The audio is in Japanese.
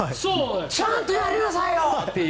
ちゃんとやりなさいよ！っていう。